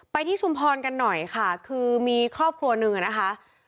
ที่ชุมพรกันหน่อยค่ะคือมีครอบครัวหนึ่งอะนะคะ